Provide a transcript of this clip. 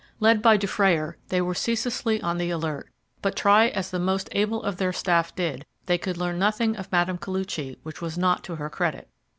Led by Dufrayer they were ceaselessly on the alert; but, try as the most able of their staff did, they could learn nothing of Mme. Koluchy which was not to her credit.